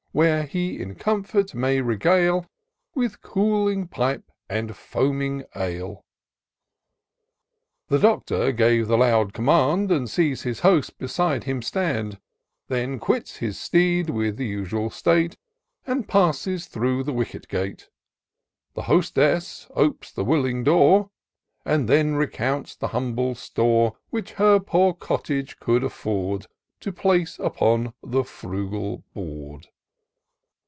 Where he in comfort may regale. With cooling pipe and foaming ale. j60 tour of doctor syntax The Doctor gave the loud command^ And sees the Host beside him stand ; Then quits his steed with usual state, And passes through the wicket gate ; The Hostess opes the willing door, And then recounts the humble store Which her poor cottage could afford. To place upon the frugal board.